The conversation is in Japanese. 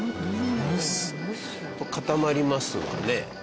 と固まりますわね。